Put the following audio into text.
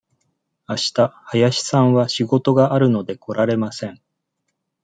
あした林さんは仕事があるので、来られません。